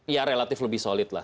ya relatif lebih solid lah